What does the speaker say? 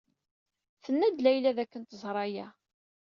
Tenna-d Layla dakken teẓra aya.